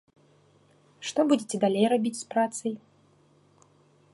Што будзеце далей рабіць з працай?